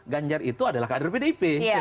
ganjar itu adalah kader pdip